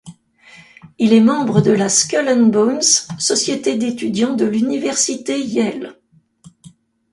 Il est membre de la Skull and Bones, société d'étudiants de l'université Yale.